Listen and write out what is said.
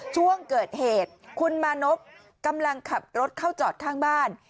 ช่วงเกิดเหตุคุณมานพกำลังขับรถเข้าจอดข้างบ้าน